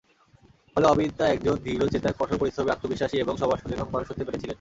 ফলে অবিন্তা একজন দৃঢ়চেতা, কঠোর পরিশ্রমী, আত্মবিশ্বাসী এবং সমাজ-সচেতন মানুষ হতে পেরেছিলেন।